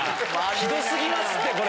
ひどすぎますって、これ。